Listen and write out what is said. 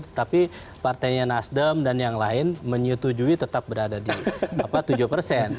tetapi partainya nasdem dan yang lain menyetujui tetap berada di tujuh persen